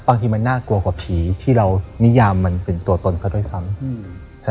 บางทีมันน่ากลัวกว่าผีที่เรานิยามมันเป็นตัวตนซะด้วยซ้ำ